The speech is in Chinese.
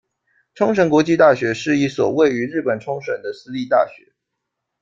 冲绳国际大学是一所位于日本冲绳县的私立大学。